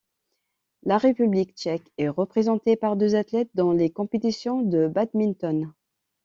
La République tchèque est représentée par deux athlètes dans les compétitions de badminton.